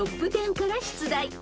ＴＯＰ１０から出題］